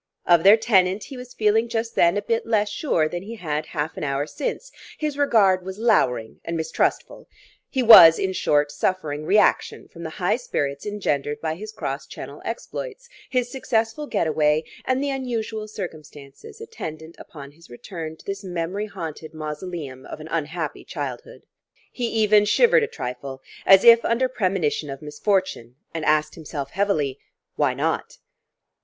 Of their tenant he was feeling just then a bit less sure than he had half an hour since; his regard was louring and mistrustful. He was, in short, suffering reaction from the high spirits engendered by his cross Channel exploits, his successful get away, and the unusual circumstances attendant upon his return to this memory haunted mausoleum of an unhappy childhood. He even shivered a trifle, as if under premonition of misfortune, and asked himself heavily: Why not?